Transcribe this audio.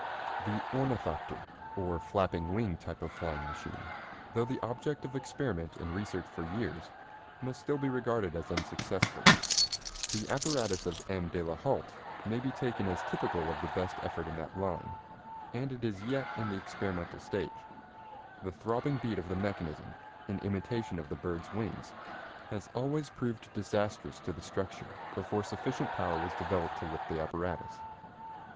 The ornithopter, or flapping wing type of flying machine, though the object of experiment and research for years, must still be regarded as unsuccessful. The apparatus of M. de la Hault may be taken as typical of the best effort in that line, and it is yet in the experimental stage. The throbbing beat of the mechanism, in imitation of the bird's wings, has always proved disastrous to the structure before sufficient power was developed to lift the apparatus.